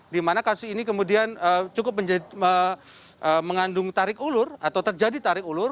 di mana kasus ini kemudian cukup mengandung tarik ulur atau terjadi tarik ulur